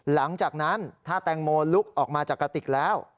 หลังจากนั้นถ้าแตงโมลุกออกมาจากกระติกแล้ว